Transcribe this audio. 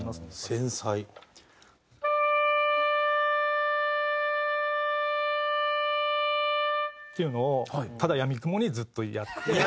繊細。っていうのをただ闇雲にずっとやって。